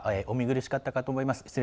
お見苦しかったかと思います。